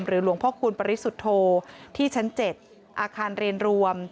หลวงพ่อคูณปริสุทธโธที่ชั้น๗อาคารเรียนรวม